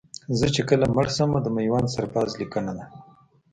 زه چې کله مړ شمه د میوند سرباز لیکنه ده